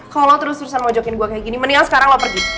kalau terus terusan mojokin gue kayak gini mendingan sekarang lo pergi